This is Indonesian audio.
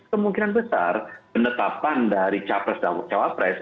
kemungkinan besar penetapan dari capres dan cawapres